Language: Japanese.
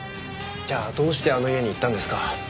じゃあどうしてあの家に行ったんですか？